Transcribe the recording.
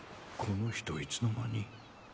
この人いつの間に。